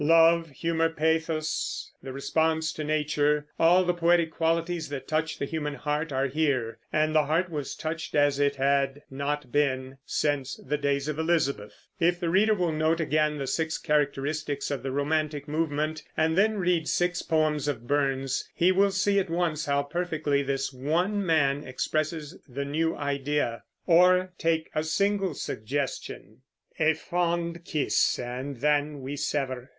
Love, humor, pathos, the response to nature, all the poetic qualities that touch the human heart are here; and the heart was touched as it had not been since the days of Elizabeth. If the reader will note again the six characteristics of the romantic movement, and then read six poems of Burns, he will see at once how perfectly this one man expresses the new idea. Or take a single suggestion, Ae fond kiss, and then we sever!